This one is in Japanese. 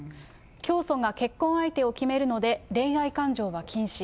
教祖が結婚相手を決めるので、恋愛感情は禁止。